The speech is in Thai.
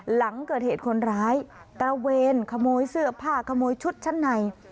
หลังเกิดเหตุคนร้ายตระเวนขโมยเสื้อผ้าขโมยชุดชั้นใน